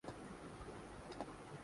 اس حوالے سے پرا مید ہے۔